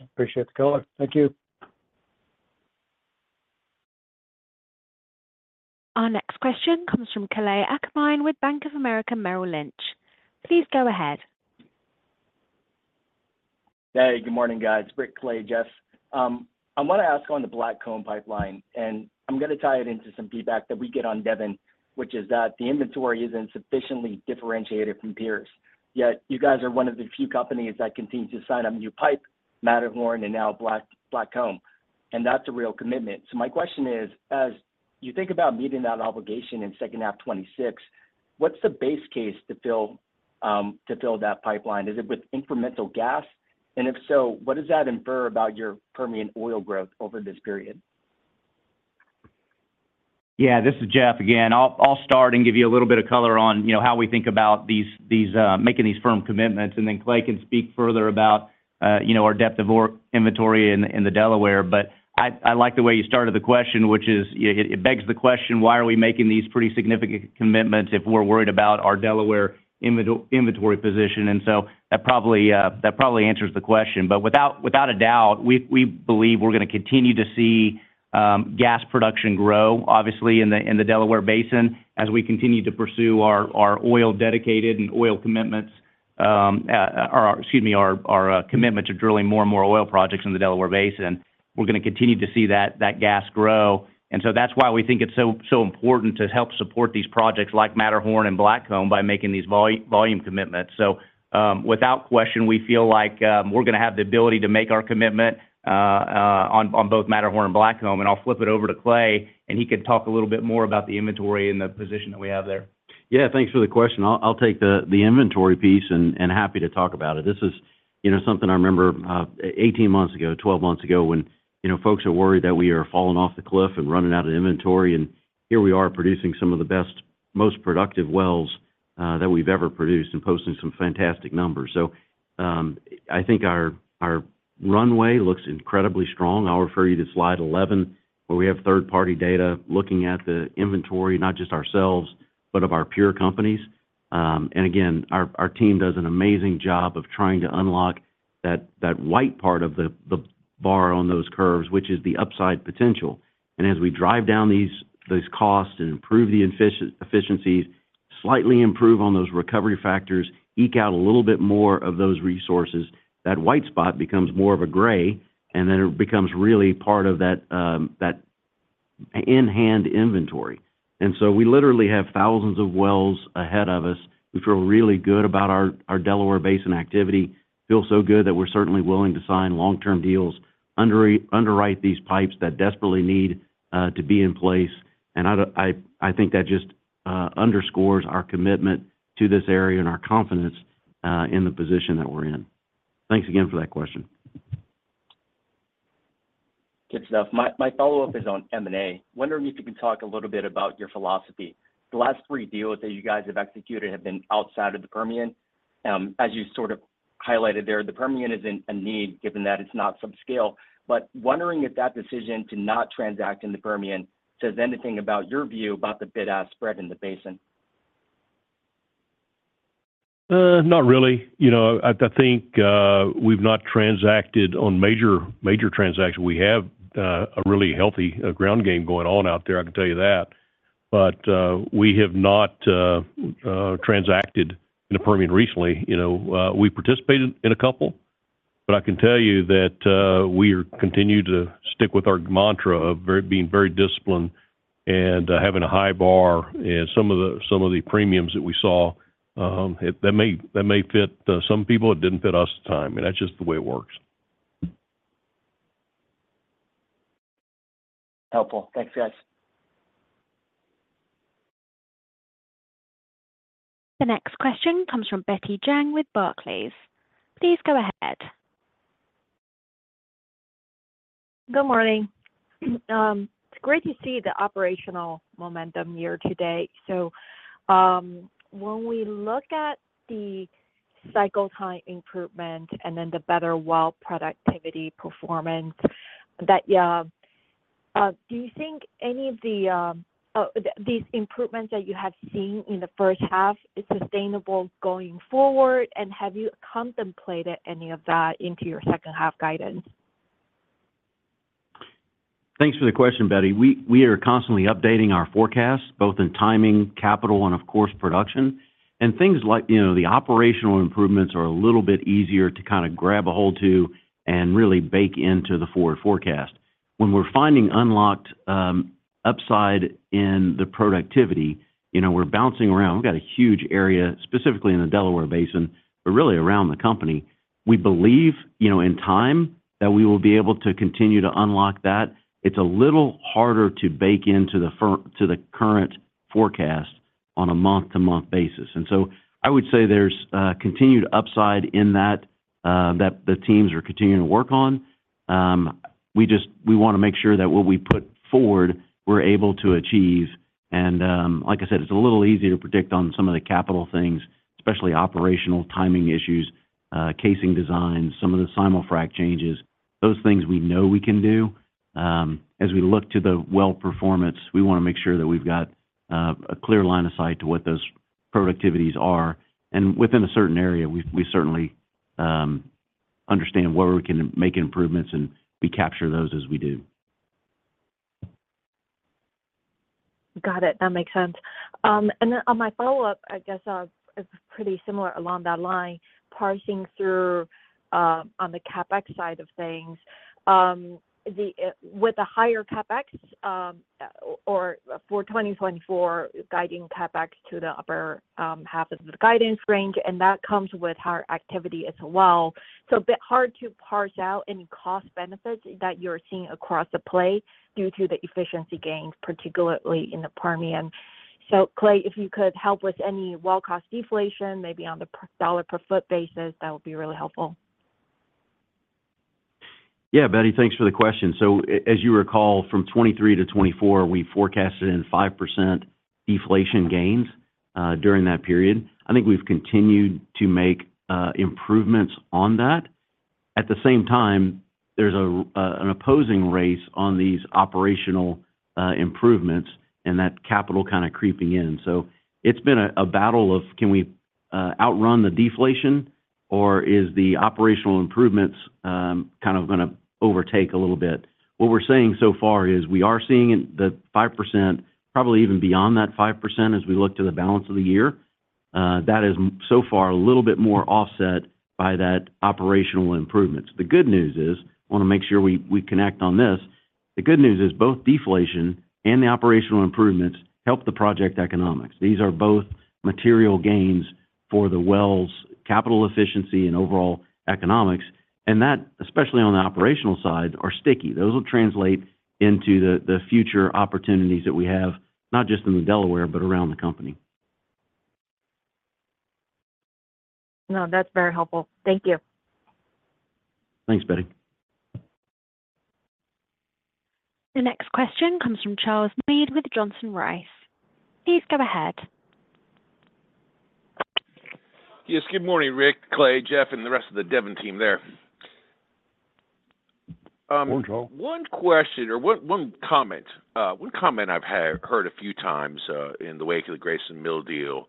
Appreciate the color. Thank you. Our next question comes from Kalei Akamine with Bank of America Merrill Lynch. Please go ahead. Hey, good morning, guys. It's Rick Clay, Jeff. I want to ask on the Blackcomb Pipeline, and I'm gonna tie it into some feedback that we get on Devon, which is that the inventory isn't sufficiently differentiated from peers, yet you guys are one of the few companies that continue to sign on new pipe, Matterhorn and now Blackcomb, and that's a real commitment. So my question is: as you think about meeting that obligation in second half 2026, what's the base case to fill that pipeline? Is it with incremental gas? And if so, what does that infer about your Permian oil growth over this period? Yeah, this is Jeff again. I'll start and give you a little bit of color on, you know, how we think about making these firm commitments, and then Clay can speak further about, you know, our depth of our inventory in the Delaware. But I like the way you started the question, which is, you know, it begs the question, why are we making these pretty significant commitments if we're worried about our Delaware inventory position? And so that probably answers the question. But without a doubt, we believe we're gonna continue to see gas production grow, obviously, in the Delaware Basin, as we continue to pursue our oil dedicated and oil commitments. Excuse me, our commitment to drilling more and more oil projects in the Delaware Basin. We're gonna continue to see that gas grow, and so that's why we think it's so, so important to help support these projects like Matterhorn and Blackcomb by making these volume commitments. So, without question, we feel like, we're gonna have the ability to make our commitment on both Matterhorn and Blackcomb. And I'll flip it over to Clay, and he can talk a little bit more about the inventory and the position that we have there. Yeah, thanks for the question. I'll take the inventory piece, and happy to talk about it. This is, you know, something I remember, 18 months ago, 12 months ago, when, you know, folks are worried that we are falling off the cliff and running out of inventory, and here we are producing some of the best, most productive wells, that we've ever produced and posting some fantastic numbers. So, I think our runway looks incredibly strong. I'll refer you to slide 11, where we have third-party data looking at the inventory, not just ourselves, but of our peer companies. And again, our team does an amazing job of trying to unlock that white part of the bar on those curves, which is the upside potential. As we drive down these costs and improve the efficiencies, slightly improve on those recovery factors, eke out a little bit more of those resources, that white spot becomes more of a gray, and then it becomes really part of that in-hand inventory. So we literally have thousands of wells ahead of us. We feel really good about our Delaware Basin activity. Feel so good that we're certainly willing to sign long-term deals, underwrite these pipes that desperately need to be in place. I don't I think that just underscores our commitment to this area and our confidence in the position that we're in. Thanks again for that question. Good stuff. My follow-up is on M&A. Wondering if you can talk a little bit about your philosophy. The last three deals that you guys have executed have been outside of the Permian. As you sort of highlighted there, the Permian is in a need, given that it's not subscale. But wondering if that decision to not transact in the Permian says anything about your view about the bid-ask spread in the basin? Not really. You know, I think we've not transacted on a major transaction. We have a really healthy ground game going on out there, I can tell you that. But we have not transacted in the Permian recently. You know, we participated in a couple, but I can tell you that we continue to stick with our mantra of being very disciplined and having a high bar. And some of the premiums that we saw that may fit some people, it didn't fit us at the time, and that's just the way it works. Helpful. Thanks, guys. The next question comes from Betty Jiang with Barclays. Please go ahead.... Good morning. It's great to see the operational momentum year to date. So, when we look at the cycle time improvement and then the better well productivity performance that, do you think any of the, these improvements that you have seen in the first half is sustainable going forward? And have you contemplated any of that into your second half guidance? Thanks for the question, Betty. We are constantly updating our forecast, both in timing, capital, and of course, production. And things like, you know, the operational improvements are a little bit easier to kind of grab a hold to and really bake into the forward forecast. When we're finding unlocked upside in the productivity, you know, we're bouncing around. We've got a huge area, specifically in the Delaware Basin, but really around the company. We believe, you know, in time, that we will be able to continue to unlock that. It's a little harder to bake into the current forecast on a month-to-month basis. And so I would say there's continued upside in that that the teams are continuing to work on. We just wanna make sure that what we put forward, we're able to achieve. Like I said, it's a little easier to predict on some of the capital things, especially operational timing issues, casing designs, some of the simul-frac changes. Those things we know we can do. As we look to the well performance, we wanna make sure that we've got a clear line of sight to what those productivities are. Within a certain area, we certainly understand where we can make improvements, and we capture those as we do. Got it. That makes sense. And then on my follow-up, I guess, it's pretty similar along that line, parsing through, on the CapEx side of things. With the higher CapEx, or for 2024, guiding CapEx to the upper half of the guidance range, and that comes with higher activity as well. So a bit hard to parse out any cost benefits that you're seeing across the play due to the efficiency gains, particularly in the Permian. So Clay, if you could help with any well cost deflation, maybe on the per dollar per foot basis, that would be really helpful. Yeah, Betty, thanks for the question. So as you recall, from 2023 to 2024, we forecasted 5% deflation gains during that period. I think we've continued to make improvements on that. At the same time, there's an opposing race on these operational improvements and that capital kinda creeping in. So it's been a battle of, can we outrun the deflation, or is the operational improvements kind of gonna overtake a little bit? What we're seeing so far is we are seeing in the 5%, probably even beyond that 5%, as we look to the balance of the year. That is so far a little bit more offset by that operational improvements. The good news is, I wanna make sure we connect on this, the good news is both deflation and the operational improvements help the project economics. These are both material gains for the wells' capital efficiency and overall economics, and that, especially on the operational side, are sticky. Those will translate into the future opportunities that we have, not just in the Delaware, but around the company. No, that's very helpful. Thank you. Thanks, Betty. The next question comes from Charles Meade with Johnson Rice. Please go ahead. Yes, good morning, Rick, Clay, Jeff, and the rest of the Devon team there. Morning, Charles. One question or one comment. One comment I've heard a few times in the wake of the Grayson Mill deal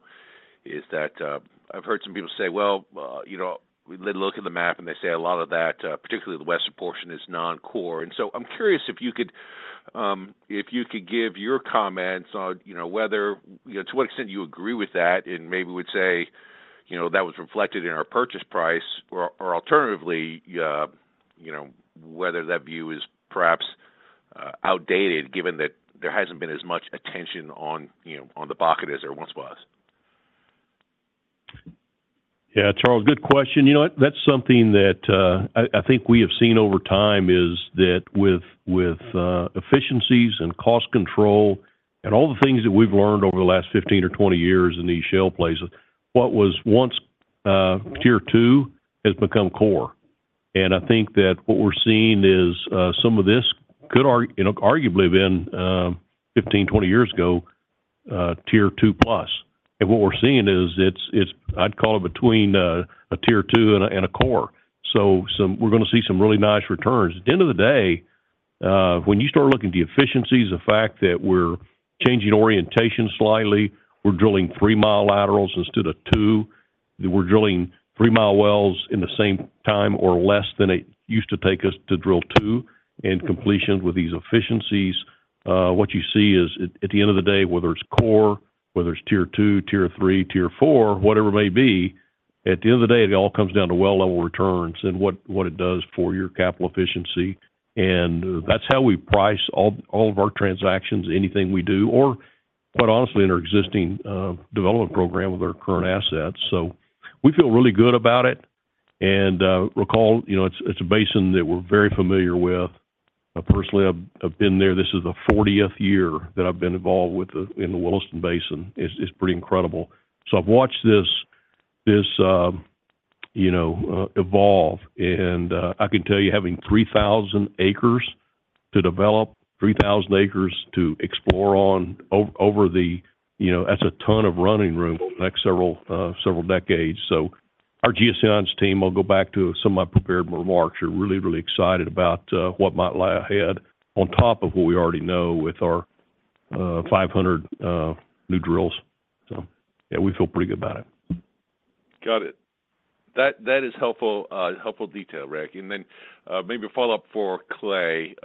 is that I've heard some people say, "Well, you know, they look at the map," and they say, "A lot of that, particularly the western portion, is non-core." And so I'm curious if you could give your comments on, you know, whether, you know, to what extent you agree with that, and maybe would say, you know, that was reflected in our purchase price, or alternatively, you know, whether that view is perhaps outdated, given that there hasn't been as much attention on, you know, on the Bakken as there once was. Yeah, Charles, good question. You know what? That's something that I think we have seen over time, is that with efficiencies and cost control and all the things that we've learned over the last 15 or 20 years in these shale plays, what was once tier two has become core. And I think that what we're seeing is some of this could arguably been 15, 20 years ago tier two plus. And what we're seeing is it's I'd call it between a tier two and a core. So we're gonna see some really nice returns. At the end of the day, when you start looking at the efficiencies, the fact that we're changing orientation slightly, we're drilling 3-mile laterals instead of 2, we're drilling 3-mile wells in the same time or less than it used to take us to drill 2, and completions with these efficiencies, what you see is at the end of the day, whether it's core, whether it's tier 2, tier 3, tier 4, whatever it may be, at the end of the day, it all comes down to well level returns and what it does for your capital efficiency. And that's how we price all of our transactions, anything we do, or quite honestly, in our existing development program with our current assets. So we feel really good about it. And recall, you know, it's a basin that we're very familiar with. Personally, I've been there. This is the 40th year that I've been involved with the in the Williston Basin. It's pretty incredible. So I've watched this you know evolve. And I can tell you, having 3,000 acres to develop, 3,000 acres to explore on over the you know, that's a ton of running room over the next several several decades. So our geoscience team, I'll go back to some of my prepared remarks, are really really excited about what might lie ahead on top of what we already know with our 500 new drills. So yeah, we feel pretty good about it. Got it. That, that is helpful, helpful detail, Rick. And then, maybe a follow-up for Clay.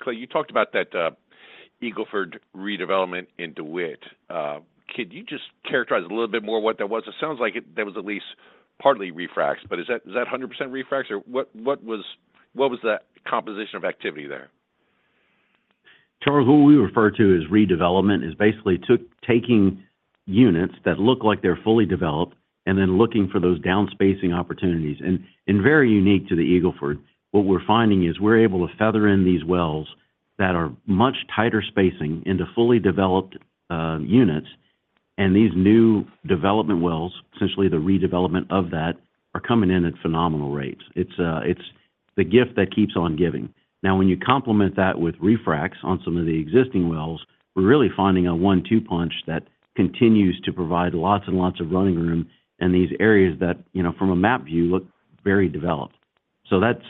Clay, you talked about that, Eagle Ford redevelopment in DeWitt. Could you just characterize a little bit more what that was? It sounds like it, there was at least partly refracs, but is that, is that a hundred percent refracs, or what, what was, what was the composition of activity there? Charles, who we refer to as redevelopment, is basically taking units that look like they're fully developed and then looking for those downspacing opportunities. And very unique to the Eagle Ford, what we're finding is we're able to feather in these wells that are much tighter spacing into fully developed units, and these new development wells, essentially, the redevelopment of that, are coming in at phenomenal rates. It's the gift that keeps on giving. Now, when you complement that with refracs on some of the existing wells, we're really finding a one-two punch that continues to provide lots and lots of running room in these areas that, you know, from a map view, look very developed. So that's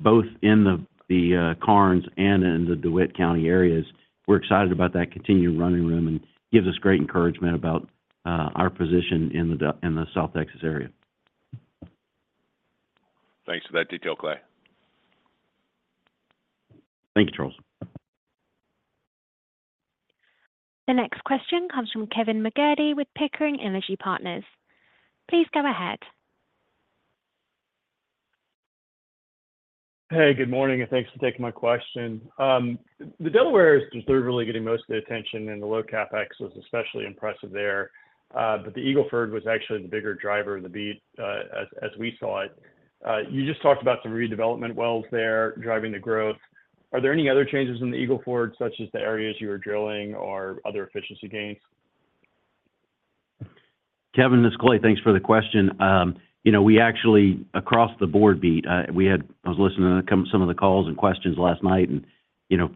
both in the Karnes and in the DeWitt County areas. We're excited about that continued running room and gives us great encouragement about our position in the South Texas area. Thanks for that detail, Clay. Thank you, Charles. The next question comes from Kevin MacCurdy with Pickering Energy Partners. Please go ahead. Hey, good morning, and thanks for taking my question. The Delaware is considered really getting most of the attention, and the low CapEx was especially impressive there. But the Eagle Ford was actually the bigger driver in the beat, as we saw it. You just talked about some redevelopment wells there driving the growth. Are there any other changes in the Eagle Ford, such as the areas you are drilling or other efficiency gains? Kevin, this is Clay. Thanks for the question. We actually across the board beat, I was listening to some of the calls and questions last night and, you know,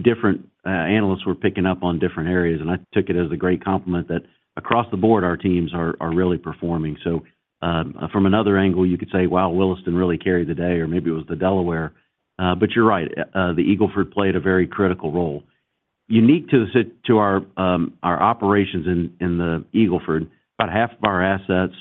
different analysts were picking up on different areas, and I took it as a great compliment that across the board, our teams are really performing. So, from another angle, you could say, "Wow, Williston really carried the day," or, "Maybe it was the Delaware." But you're right. The Eagle Ford played a very critical role. Unique to our operations in the Eagle Ford, about half of our assets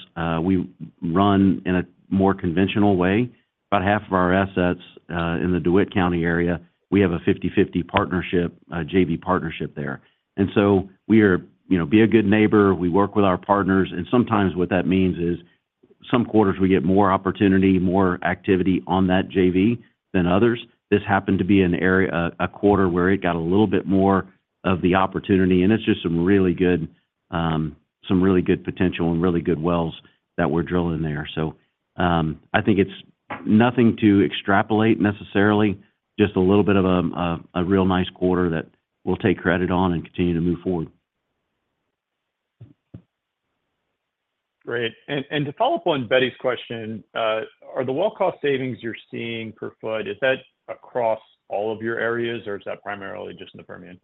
we run in a more conventional way. About half of our assets in the DeWitt County area, we have a 50/50 partnership, JV partnership there. And so we are, you know, be a good neighbor. We work with our partners, and sometimes what that means is some quarters we get more opportunity, more activity on that JV than others. This happened to be an area, a quarter where it got a little bit more of the opportunity, and it's just some really good, some really good potential and really good wells that we're drilling there. So, I think it's nothing to extrapolate necessarily, just a little bit of a real nice quarter that we'll take credit on and continue to move forward. Great. And to follow up on Betty's question, are the well cost savings you're seeing per foot, is that across all of your areas, or is that primarily just in the Permian?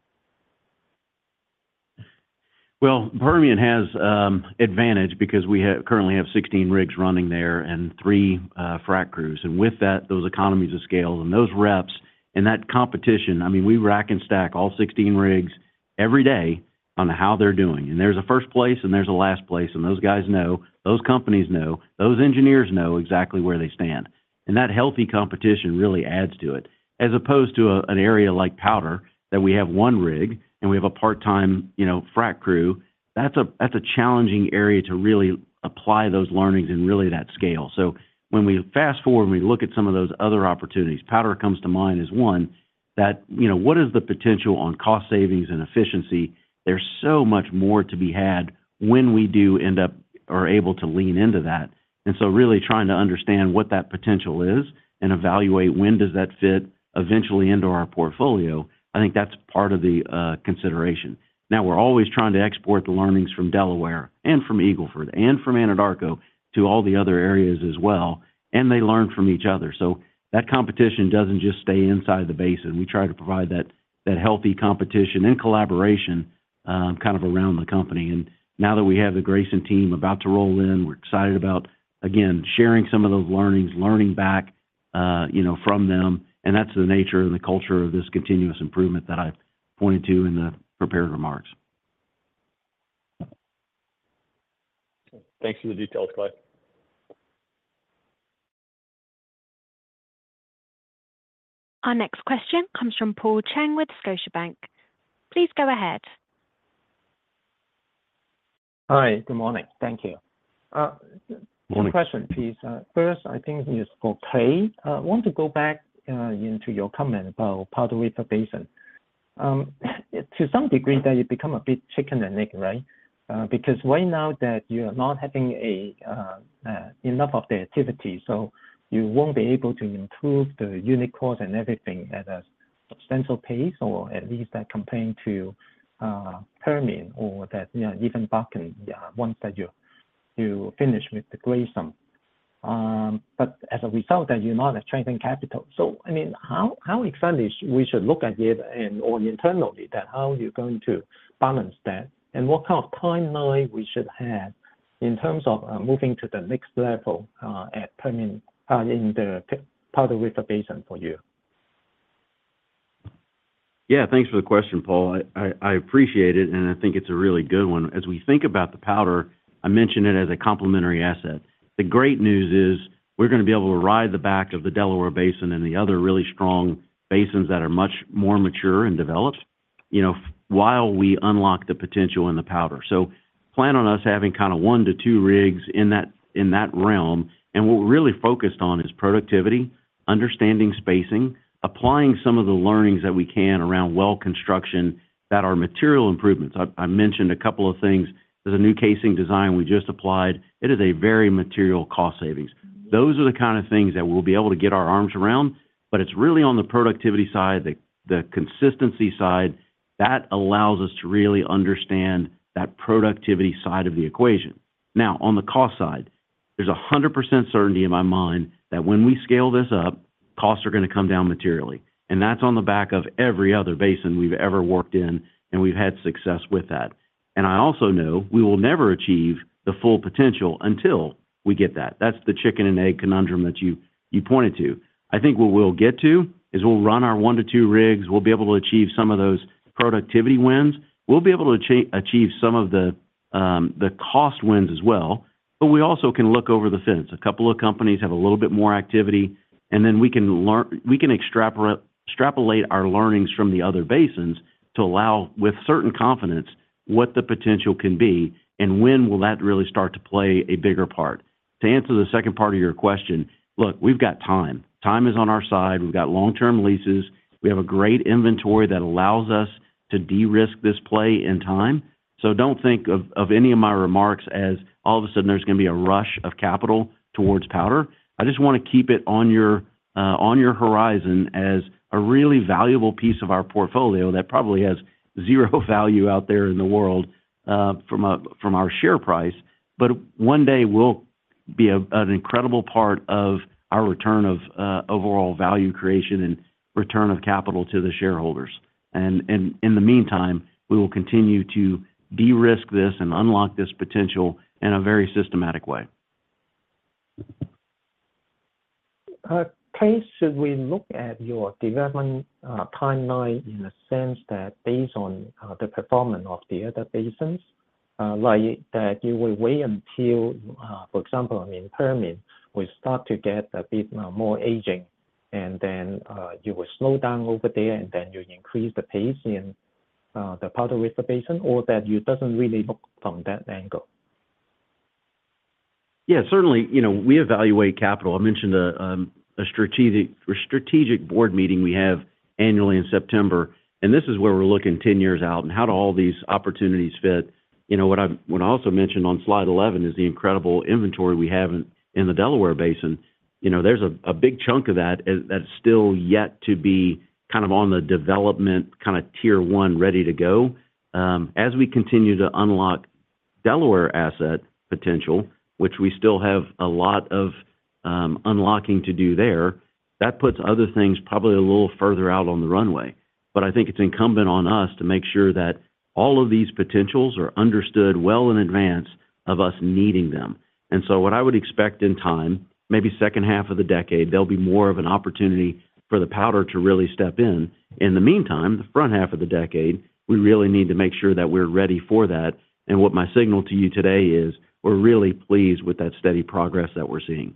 Well, Permian has advantage because we currently have 16 rigs running there and three frac crews. And with that, those economies of scale and those reps and that competition, I mean, we rack and stack all 16 rigs every day on how they're doing. And there's a first place, and there's a last place, and those guys know, those companies know, those engineers know exactly where they stand. And that healthy competition really adds to it, as opposed to an area like Powder that we have one rig, and we have a part-time, you know, frac crew. That's a challenging area to really apply those learnings and really that scale. So when we fast-forward and we look at some of those other opportunities, Powder comes to mind as one, that, you know, what is the potential on cost savings and efficiency? There's so much more to be had when we do end up or able to lean into that. And so really trying to understand what that potential is and evaluate when does that fit eventually into our portfolio, I think that's part of the consideration. Now, we're always trying to export the learnings from Delaware and from Eagle Ford and from Anadarko to all the other areas as well, and they learn from each other. So that competition doesn't just stay inside the basin. We try to provide that, that healthy competition and collaboration, kind of around the company. And now that we have the Grayson team about to roll in, we're excited about, again, sharing some of those learnings, learning back, you know, from them, and that's the nature and the culture of this continuous improvement that I pointed to in the prepared remarks. Thanks for the details, Clay. Our next question comes from Paul Cheng with Scotiabank. Please go ahead. Hi, good morning. Thank you. Morning. Two questions, please. First, I think it is for Clay. I want to go back into your comment about Powder River Basin. To some degree, that you become a bit chicken and egg, right? Because right now that you are not having enough of the activity, so you won't be able to improve the unit cost and everything at a substantial pace, or at least that comparing to Permian or that, you know, even Bakken, once you finish with the Grayson. But as a result of that, you might have strengthened capital. So, I mean, how exactly should we look at it and, or internally, that how are you going to balance that? What kind of timeline should we have in terms of moving to the next level at Permian in the Powder River Basin for you? Yeah, thanks for the question, Paul. I appreciate it, and I think it's a really good one. As we think about the Powder, I mention it as a complementary asset. The great news is, we're gonna be able to ride the back of the Delaware Basin and the other really strong basins that are much more mature and developed, you know, while we unlock the potential in the Powder. So plan on us having kind of 1-2 rigs in that realm, and what we're really focused on is productivity, understanding spacing, applying some of the learnings that we can around well construction that are material improvements. I mentioned a couple of things. There's a new casing design we just applied. It is a very material cost savings. Those are the kind of things that we'll be able to get our arms around, but it's really on the productivity side, the consistency side, that allows us to really understand that productivity side of the equation. Now, on the cost side, there's 100% certainty in my mind that when we scale this up, costs are gonna come down materially, and that's on the back of every other basin we've ever worked in, and we've had success with that. And I also know we will never achieve the full potential until we get that. That's the chicken and egg conundrum that you, you pointed to. I think what we'll get to is we'll run our 1-2 rigs. We'll be able to achieve some of those productivity wins. We'll be able to achieve some of the cost wins as well, but we also can look over the fence. A couple of companies have a little bit more activity, and then we can learn, we can extrapolate our learnings from the other basins to allow, with certain confidence, what the potential can be and when will that really start to play a bigger part. To answer the second part of your question, look, we've got time. Time is on our side. We've got long-term leases. We have a great inventory that allows us to de-risk this play in time. So don't think of any of my remarks as, all of a sudden, there's gonna be a rush of capital towards Powder. I just wanna keep it on your horizon as a really valuable piece of our portfolio that probably has zero value out there in the world from our share price. But one day will be an incredible part of our return of overall value creation and return of capital to the shareholders. And in the meantime, we will continue to de-risk this and unlock this potential in a very systematic way. Pace, should we look at your development timeline in the sense that based on the performance of the other basins, like that you will wait until, for example, I mean, Permian will start to get a bit more aging, and then you will slow down over there, and then you increase the pace in the Powder River Basin, or that you doesn't really look from that angle? Yeah, certainly, you know, we evaluate capital. I mentioned a strategic board meeting we have annually in September, and this is where we're looking 10 years out and how do all these opportunities fit. You know, what I, what I also mentioned on slide 11 is the incredible inventory we have in the Delaware Basin. You know, there's a big chunk of that is—that's still yet to be kind of on the development, kind of tier one, ready to go. As we continue to unlock Delaware asset potential, which we still have a lot of unlocking to do there, that puts other things probably a little further out on the runway. But I think it's incumbent on us to make sure that all of these potentials are understood well in advance of us needing them. And so what I would expect in time, maybe second half of the decade, there'll be more of an opportunity for the Powder to really step in. In the meantime, the front half of the decade, we really need to make sure that we're ready for that, and what my signal to you today is, we're really pleased with that steady progress that we're seeing.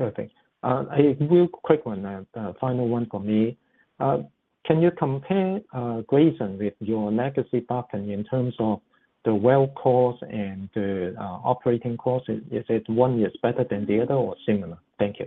Okay. A real quick one, final one from me. Can you compare Grayson with your legacy partner in terms of the well costs and the operating costs? Is one better than the other or similar? Thank you.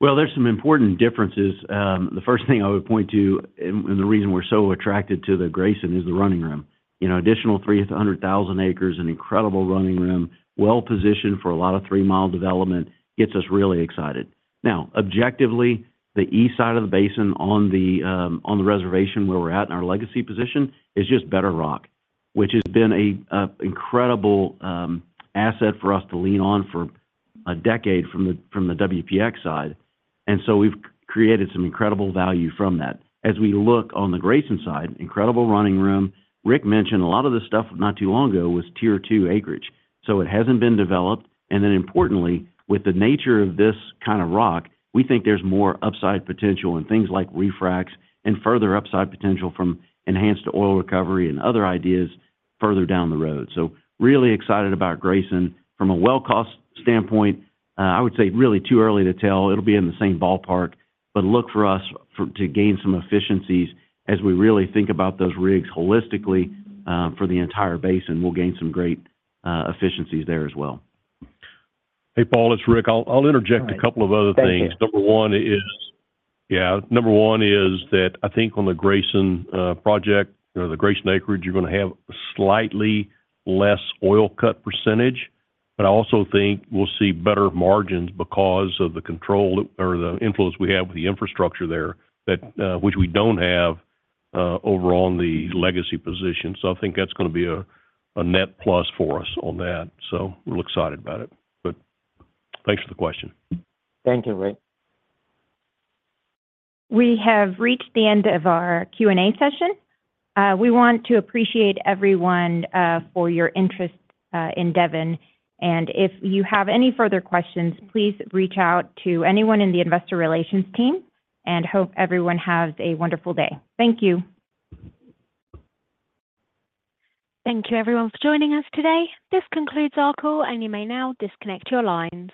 Well, there's some important differences. The first thing I would point to, and, and the reason we're so attracted to the Grayson, is the running room. You know, additional 300,000 acres, an incredible running room, well-positioned for a lot of 3-mile development, gets us really excited. Now, objectively, the east side of the basin on the, on the reservation where we're at in our legacy position, is just better rock, which has been a incredible asset for us to lean on for a decade from the, from the WPX side, and so we've created some incredible value from that. As we look on the Grayson side, incredible running room. Rick mentioned a lot of this stuff not too long ago, was Tier 2 acreage, so it hasn't been developed. Then importantly, with the nature of this kind of rock, we think there's more upside potential and things like refracs, and further upside potential from enhanced oil recovery and other ideas further down the road. Really excited about Grayson. From a well cost standpoint, I would say really too early to tell. It'll be in the same ballpark, but look for us to gain some efficiencies as we really think about those rigs holistically, for the entire basin. We'll gain some great efficiencies there as well. Hey, Paul, it's Rick. I'll, I'll interject a couple of other things. Thank you. Number one is... Yeah, number one is that I think on the Grayson project, you know, the Grayson acreage, you're gonna have slightly less oil cut percentage, but I also think we'll see better margins because of the control or the influence we have with the infrastructure there, that, which we don't have over on the legacy position. So I think that's gonna be a, a net plus for us on that. So we're excited about it, but thanks for the question. Thank you, Rick. We have reached the end of our Q&A session. We want to appreciate everyone for your interest in Devon. If you have any further questions, please reach out to anyone in the investor relations team, and hope everyone has a wonderful day. Thank you. Thank you, everyone, for joining us today. This concludes our call, and you may now disconnect your lines.